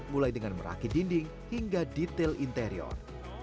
mulai dengan merakit dinding hingga detail interior